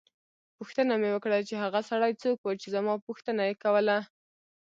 پوښتنه مې وکړه چې هغه سړی څوک وو چې زما پوښتنه یې کوله.